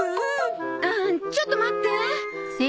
ああちょっと待って。